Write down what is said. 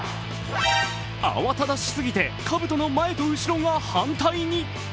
慌ただしすぎてかぶとの前と後が反対に。